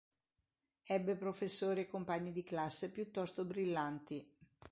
Ebbe professori e compagni di classe piuttosto brillanti.